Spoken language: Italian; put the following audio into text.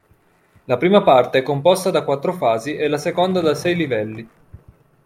La prima parte è composta da quattro fasi e la seconda da sei livelli.